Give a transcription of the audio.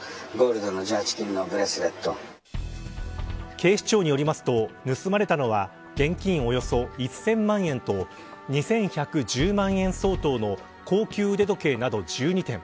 警視庁によりますと盗まれたのは現金およそ１０００万円と２１１０万円相当の高級腕時計など１２点。